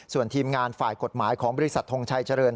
ส่วนทีมงานฝ่ายกฎหมายของบริษัททงชัยเจริญ